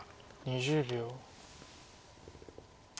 ２０秒。